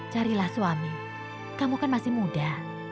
carilah suami kamu kan masih muda